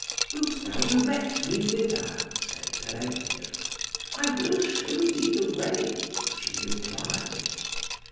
"Wilt thou direct me thither?" said Peredur. "I will show thee the way," she replied.